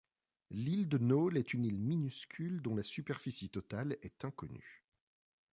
L'île de Nôle est une île minuscule, dont la superficie totale est inconnue.